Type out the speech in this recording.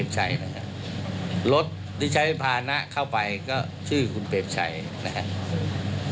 ไปพานะเข้าไปก็ชื่อคุณเปรตชัยค่ะนะฮะ